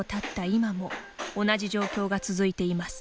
今も同じ状況が続いています。